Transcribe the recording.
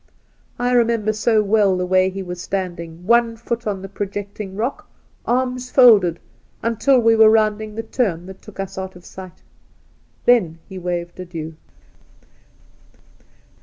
I remember so well the way he was standing, one foot on a projecting rock, arms folded, until we were rounding the turn that took us out of sight. Then he waved adieu.